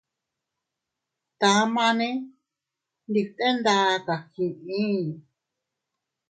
Tamane ndi bte nda kagii.